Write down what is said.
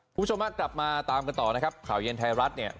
คุณผู้ชมฮะกลับมาตามกันต่อนะครับข่าวเย็นไทยรัฐเนี่ย